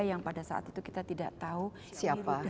yang pada saat itu kita tidak tahu siapa